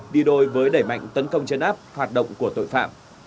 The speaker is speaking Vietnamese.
đi đôi với đẩy mạnh tấn công chấn áp hoạt động của tội phạm